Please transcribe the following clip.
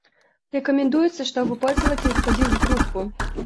Рекомендуется чтобы пользователь входил в группу